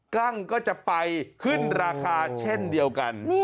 กั้งก็จะไปขึ้นราคาเช่นเดียวกัน